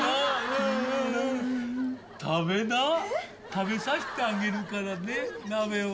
食べさせてあげるからね鍋を。